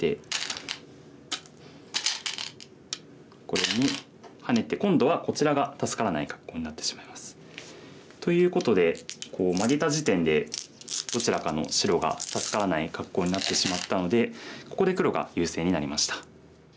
これにハネて今度はこちらが助からない格好になってしまいます。ということでマゲた時点でどちらかの白が助からない格好になってしまったのでここで黒が優勢になりました。